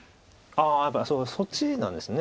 ああやっぱりそっちなんですね。